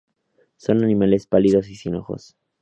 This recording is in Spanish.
Son animales pálidos y sin ojos.